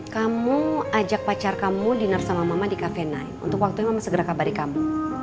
kamu ajak pacar kamu dinner sama mama di cafe night untuk waktunya memang segera kabari kamu